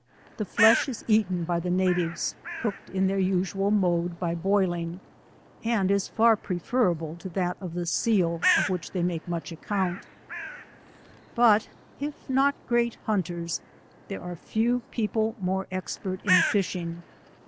The flesh is eaten by the natives, cooked in their usual mode, by H 3 82 boiling, and is far pieferable to that of the seal, of which they make much acco ant. But if not great hunters, there are few people More expert in fishing.